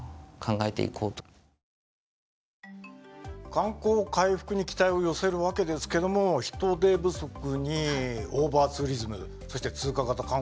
観光回復に期待を寄せるわけですけども人手不足にオーバーツーリズムそして通過型観光。